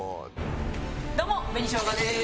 どうも紅しょうがです。